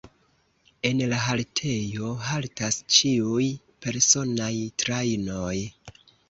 En la haltejo haltas ĉiuj personaj trajnoj.